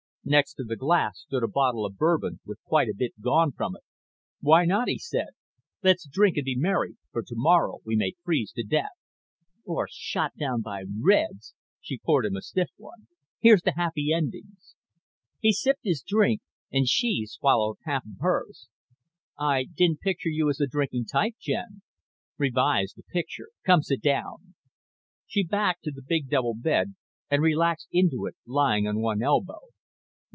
Next to the glass stood a bottle of bourbon with quite a bit gone from it. "Why not?" he said. "Let's drink and be merry, for tomorrow we may freeze to death." "Or be shot down by Reds." She poured him a stiff one. "Here's to happy endings." He sipped his drink and she swallowed half of hers. "I didn't picture you as the drinking type, Jen." "Revise the picture. Come sit down." She backed to the big double bed and relaxed into it, lying on one elbow.